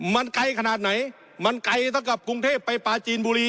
มันไกลขนาดไหนมันไกลเท่ากับกรุงเทพไปปลาจีนบุรี